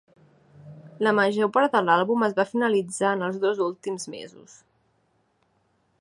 La major part de l"àlbum es va finalitzar en els dos últims mesos.